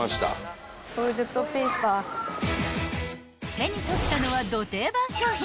［手に取ったのはど定番商品］